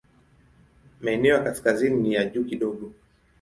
Maeneo ya kaskazini ni ya juu kidogo.